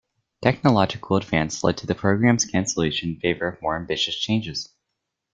Technological advance led to the program's cancellation in favor of more ambitious changes.